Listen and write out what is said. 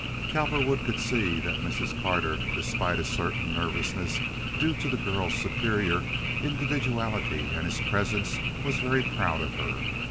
Cowperwood could see that Mrs. Carter, despite a certain nervousness due to the girl's superior individuality and his presence, was very proud of her.